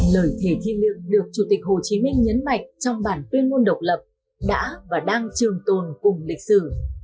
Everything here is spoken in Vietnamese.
lời thề thiên lược được chủ tịch hồ chí minh nhấn mạch trong bản tuyên ngôn độc lập đã và đang trường tồn cùng lịch sử